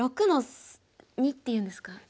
６の二っていうんですか。